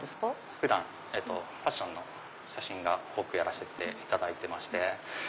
普段ファッションの写真を多くやらせていただいてまして。